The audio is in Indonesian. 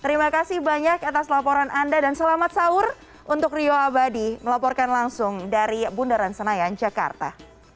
terima kasih banyak atas laporan anda dan selamat sahur untuk rio abadi melaporkan langsung dari bundaran senayan jakarta